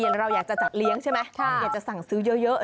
เราอยากจะจัดเลี้ยงใช่ไหมอยากจะสั่งซื้อเยอะ